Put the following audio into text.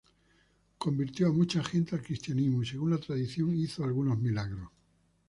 Convirtió a mucha gente al cristianismo y, según la tradición hizo algunos milagros.